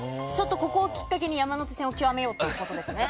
ここをきっかけに山手線を極めようということですね。